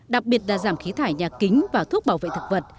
đặc biệt là giảm khí thải nhà kính và thuốc bảo vệ thực vật